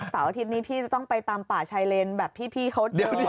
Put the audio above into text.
อาทิตย์นี้พี่จะต้องไปตามป่าชายเลนแบบพี่เขาเดิน